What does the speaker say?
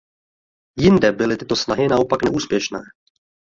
Jinde byly tyto snahy naopak neúspěšné.